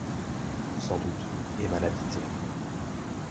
Sans doute, et mal habitée.